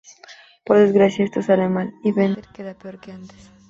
Por desgracia esto sale mal, y Bender queda peor que antes.